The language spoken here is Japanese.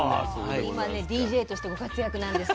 今ねＤＪとしてご活躍なんです。